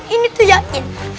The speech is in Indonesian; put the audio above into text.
ini tuh yakin